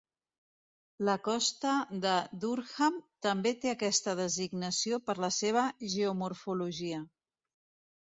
La costa de Durham també té aquesta designació per la seva geomorfologia.